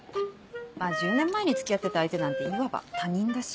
まぁ１０年前に付き合ってた相手なんていわば他人だし。